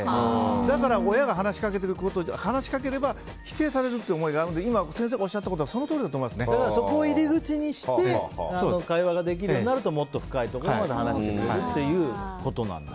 だから親が話しかければ、否定されるという思いがあるので今、先生がおっしゃったのはそこを入り口にして会話ができるようになるともっと深いところまで話してくれるっていうことなんだ。